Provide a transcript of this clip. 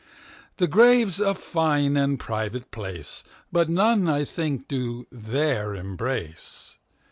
The Grave's a fine and private place, But none I think do there embrace.